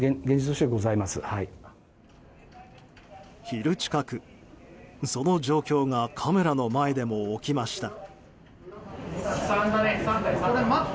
昼近く、その状況がカメラの前でも起きました。